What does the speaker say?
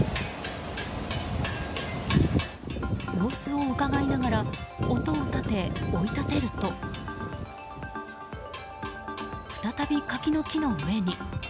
様子をうかがいながら音を立て、追い立てると再び、柿の木の上に。